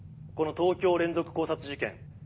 この東京連続絞殺事件